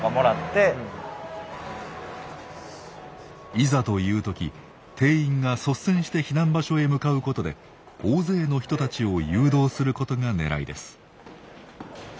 いざという時店員が率先して避難場所へ向かうことで大勢の人たちを誘導することがねらいです。